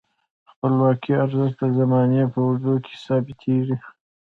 د خپلواکۍ ارزښت د زمانې په اوږدو کې ثابتیږي.